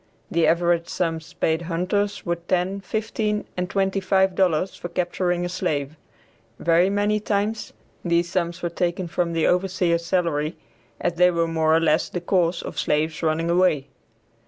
The average sums paid hunters were ten, fifteen and twenty five dollars for capturing a slave; very many times, these sums were taken from the overseer's salary, as they were more or less the cause of slaves running away.